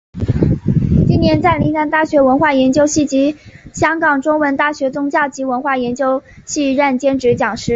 近年在岭南大学文化研究系及香港中文大学宗教及文化研究系任兼职讲师。